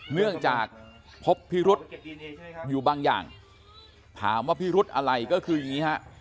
เนื่องจากพบพิรุษอยู่บางอย่างถามว่าพิรุธอะไรก็คืออย่างนี้ฮะ